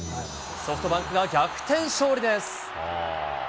ソフトバンクが逆転勝利です。